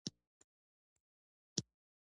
د نړۍ په ډېرو برخو کې څلور فصلونه وي.